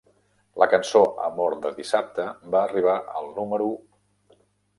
La cançó "Amor de dissabte" va arribar al número.